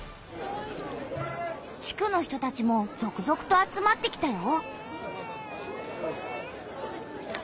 地区の人たちもぞくぞくと集まってきたよ。